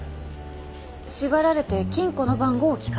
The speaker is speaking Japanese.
縛られて金庫の番号を聞かれた。